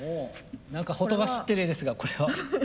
何かほとばしってる絵ですがこれは？